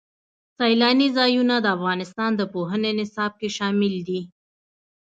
سیلانی ځایونه د افغانستان د پوهنې نصاب کې شامل دي.